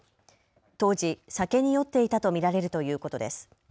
当時、酒に酔っていたと見られるということです。